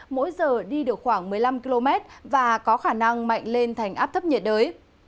mỗi giờ đi được khoảng một mươi năm km và có khả năng mạnh lên thành áp thấp nhiệt đới